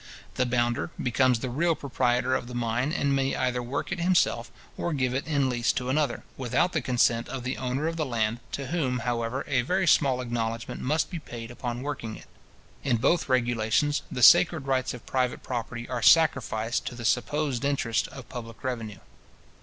The bounder becomes the real proprietor of the mine, and may either work it himself, or give it in lease to another, without the consent of the owner of the land, to whom, however, a very small acknowledgment must be paid upon working it. In both regulations, the sacred rights of private property are sacrificed to the supposed interests of public revenue.